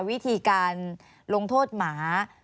วิธีการลงโทษหมา